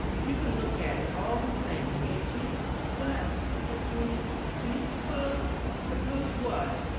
You can look at it all the same, can't you?" "But," said Prudy, "do you s'pose " "S'pose what?"